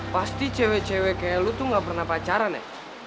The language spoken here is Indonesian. pasti cewek cewek kayak lu tuh gak pernah pacaran ya